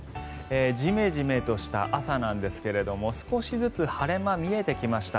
ジメジメとした朝なんですが少しずつ晴れ間見えてきました。